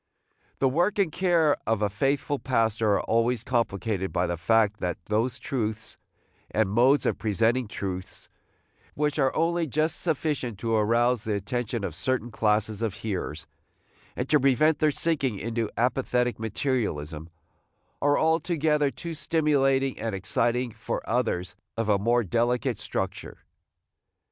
The work and care of a faithful pastor are always complicated by the fact that those truths, and modes of presenting truths, which are only just sufficient to arouse the attention of certain classes of hearers, and to prevent their sinking into apathetic materialism, are altogether too stimulating and exciting for others of a more delicate structure.